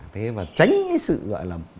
thế mà tránh cái sự gọi là